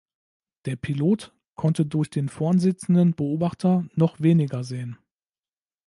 Der Pilot konnte durch den vorn sitzenden Beobachter noch weniger sehen.